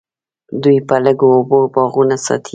دوی په لږو اوبو باغونه ساتي.